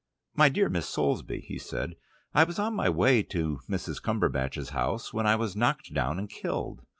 "My dear Miss Soulsby," he said, "I was on my way to Mrs. Cumberbatch's house when I was knocked down and killed.